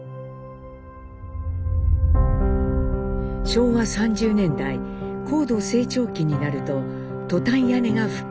昭和３０年代高度成長期になるとトタン屋根が普及。